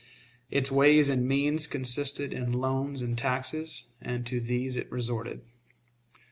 Its ways and means consisted in loans and taxes, and to these it resorted.